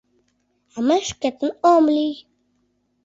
— А мый шкетын ом лий.